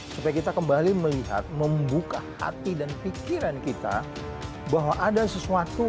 supaya kita kembali melihat membuka hati dan pikiran kita bahwa ada sesuatu